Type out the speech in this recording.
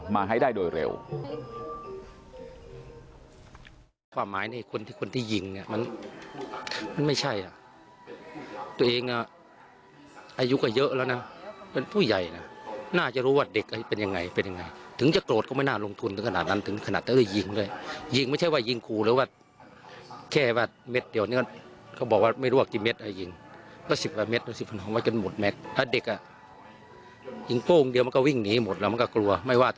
มาให้ได้โดยเร็ว